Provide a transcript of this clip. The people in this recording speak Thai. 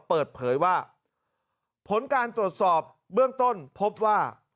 เปิดเผยว่าผลการตรวจสอบเบื้องต้นพบว่า